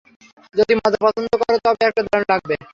যদি মজা পছন্দ কর তবে এটা দারুণ লাগবে।